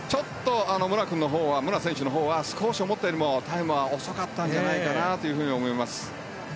武良選手のほうはちょっと、思ったよりもタイムが遅かったんじゃないかなと思います。